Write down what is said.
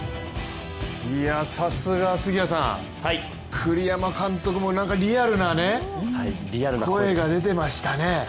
さすが杉谷さん栗山監督もリアルな声が出てましたね。